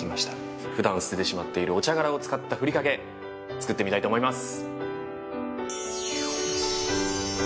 普段捨ててしまっているお茶殻を使ったふりかけ作ってみたいと思います。